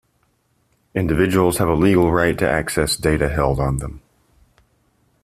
Individuals have a legal right to access data held on them.